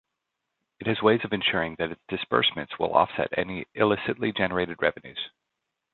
It has ways of ensuring that its disbursements will offset any illicitly-generated revenues.